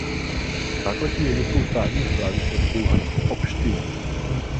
Základní jednotkou státní správy jsou v Bulharsku obštiny.